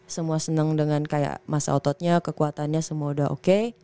semua senang dengan kayak masa ototnya kekuatannya semua udah oke